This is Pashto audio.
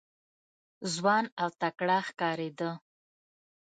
ځوان او تکړه ښکارېده.